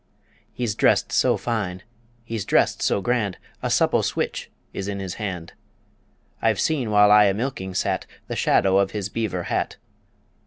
He's dressed so fine, he's dressed so grand, A supple switch is in his hand; I've seen while I a milking sat The shadow of his beaver hat.